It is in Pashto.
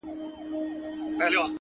ما خو خپل زړه هغې ته وركړى ډالۍ”